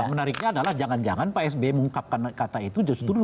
menariknya adalah jangan jangan pak sby mengungkapkan kata itu justru